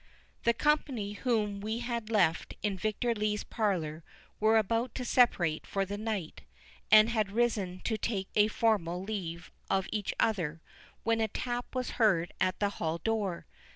The company whom we had left in Victor Lee's parlour were about to separate for the night, and had risen to take a formal leave of each other, when a tap was heard at the hall door.